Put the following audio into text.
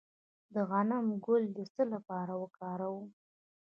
د غنم ګل د څه لپاره وکاروم؟